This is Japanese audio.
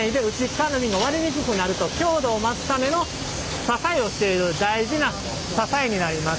かわの瓶が割れにくくなると強度を増すための支えをしている大事な支えになります。